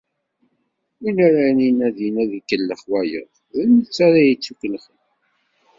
Winn ara inadin ad ikellex wayeḍ, d netta ara yettukellxen.